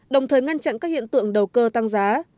đồng thời ngăn chặn các hiện tượng đầu cơ tăng giá